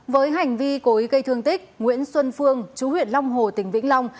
với hành vi cối gây thương tích nguyễn xuân phương chú huyện long hồ tỉnh vĩnh long